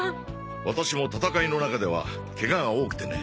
ワタシも戦いの中ではケガが多くてね。